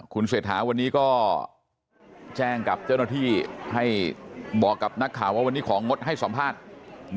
คุณเศรษฐาวันนี้ก็แจ้งกับเจ้าหน้าที่ให้บอกกับนักข่าวว่าวันนี้ของงดให้สัมภาษณ์